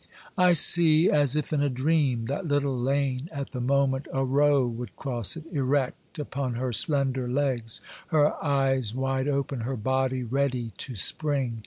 I see, as if in a dream, that little lane at the moment a roe would cross it, erect upon her slender legs, her eyes wide open, her body ready to spring.